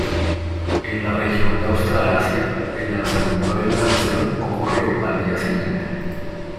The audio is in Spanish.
En la región de Australasia, el lanzamiento de la canción ocurrió al día siguiente.